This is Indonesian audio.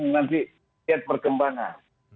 dengan siat perkembangan